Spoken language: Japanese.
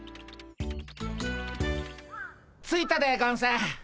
着いたでゴンス。